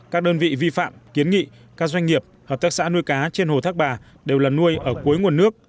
các đơn vị vi phạm kiến nghị các doanh nghiệp hợp tác xã nuôi cá trên hồ thác bà đều lần nuôi ở cuối nguồn nước